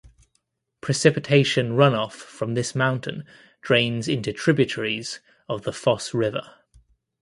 Precipitation runoff from this mountain drains into tributaries of the Foss River.